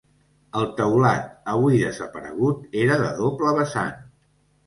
El teulat, avui desaparegut, era de doble vessant.